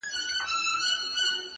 o بلا وه، برکت ئې نه و.